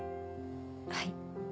はい。